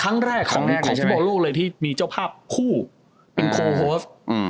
ครั้งแรกของฟุตบอลโลกเลยที่มีเจ้าภาพคู่เป็นโคโฮส